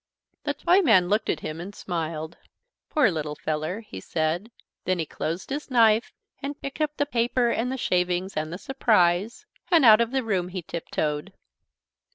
The Toyman looked at him and smiled. "Poor little feller!" he said. Then he closed his knife, and picked up the paper and the shavings and the surprise, and out of the room he tiptoed.